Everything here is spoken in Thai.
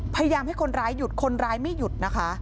พยายามให้คนร้ายหยุดคนร้ายไม่หยุดนะคะ